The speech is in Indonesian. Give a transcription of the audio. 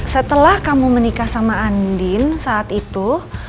setelah kamu menikah sama andin saat itu